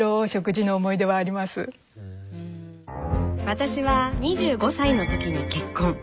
私は２５歳の時に結婚。